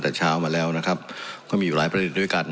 แต่เช้ามาแล้วนะครับก็มีอยู่หลายประเด็นด้วยกัน